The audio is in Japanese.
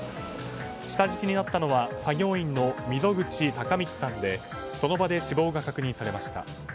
下敷きになったのは作業員の溝口貴光さんでその場で死亡が確認されました。